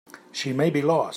She may be lost.